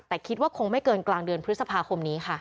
แต่คิดว่าคงไม่เกินกลางเดือนพฤษภาคมนี้ค่ะ